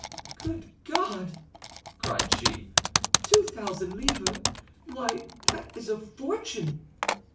"Good God!" cried she, "two thousand livres! Why, that is a fortune!"